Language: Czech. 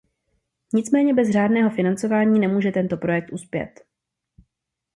Nicméně bez řádného financování nemůže tento projekt uspět.